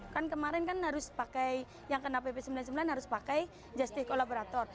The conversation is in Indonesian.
kan kemarin kan harus pakai yang kena pp sembilan puluh sembilan harus pakai justice collaborator